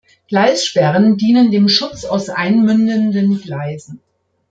Gleissperren dienen dem Schutz aus einmündenden Gleisen.